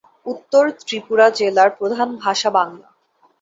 উত্তর ত্রিপুরা জেলার প্রধান ভাষা বাংলা।